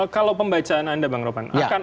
kalau pembacaan anda bang ropan